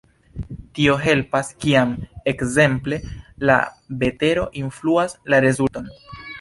Tio helpas, kiam ekzemple la vetero influas la rezulton.